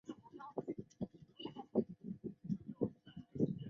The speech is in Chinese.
战争爆发的最终原因是俄罗斯扩张到东南部的野心和波斯的暂时性混乱。